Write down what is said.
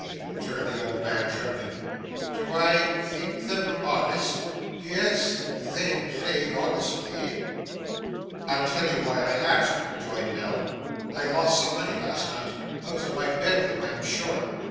returned the old man trembling. 'Do I think them honest yes, they played honestly.' 'I'll tell you why I ask,' rejoined Nell. 'I lost some money last night out of my bedroom, I am sure.